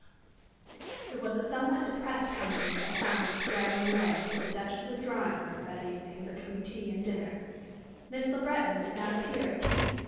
XII It was a somewhat depressed company that found its straggling way into the Duchess's drawing room that evening between tea and dinner. Miss Le Breton did not appear at tea.